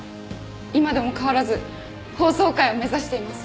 今でも変わらず法曹界を目指しています。